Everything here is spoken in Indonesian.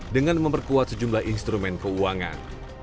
dengan memperkuat sejumlah instrumen keuangan